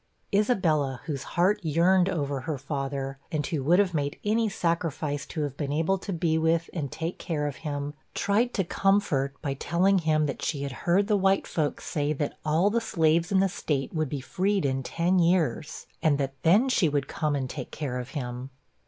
Isabella, whose heart yearned over her father, and who would have made any sacrifice to have been able to be with, and take care of him, tried to comfort, by telling him that 'she had heard the white folks say, that all the slaves in the State would be freed in ten years, and that then she would come and take care of him.'